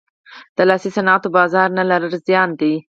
د لاسي صنایعو بازار نه لرل زیان دی.